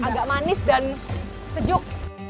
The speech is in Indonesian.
agak manis dan sejuk